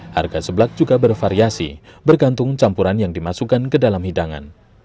harga seblak juga bervariasi bergantung campuran yang dimasukkan ke dalam hidangan